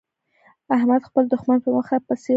احمد خپل دوښمن په مخه پسې واخيست.